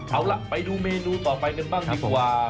เอาล่ะไปดูเมนูต่อไปกันบ้างดีกว่า